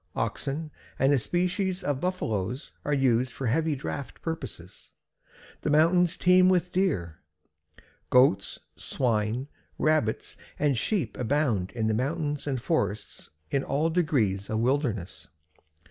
Oxen and a species of Buffaloes are used for heavy draft purposes. The mountains teem with deer. Goats, Swine, Rabbits, and Sheep abound in the mountains and forests in all degrees of wildness.